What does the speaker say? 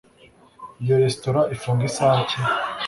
iyo resitora ifunga isaha ki